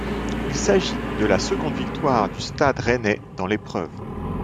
Il s'agit de la seconde victoire du Stade rennais dans l'épreuve.